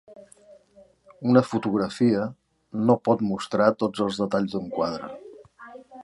Una fotografia no pot mostrar tots els detalls d'un quadre.